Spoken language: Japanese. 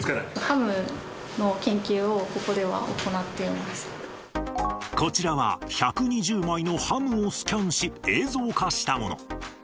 ハムの研究をここでは行ってこちらは１２０枚のハムをスキャンし、映像化したもの。